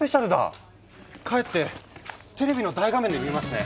帰ってテレビの大画面で見ますね！